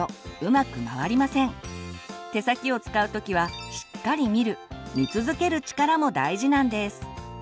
手先を使う時はしっかり見る見続ける力も大事なんです。